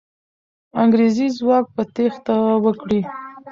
انګریزي ځواک به تېښته وکړي.